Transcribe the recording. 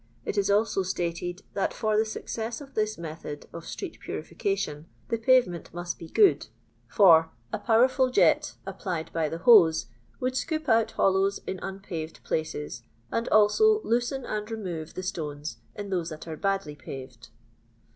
It is also stated that for the success of this method of street purification the pavement must be good ; for "a powerful jet, applied by the hose, would scoop out hollows in unpaved places, and also loosen and remove the stones in those that are badly paved."